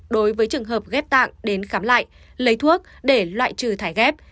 đối với trường hợp ghép tạng đến khám lại lấy thuốc để loại trừ thải ghép